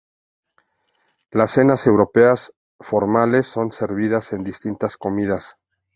Las cenas europeas formales son servidas en distintas comidas.